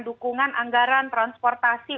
dukungan anggaran transportasi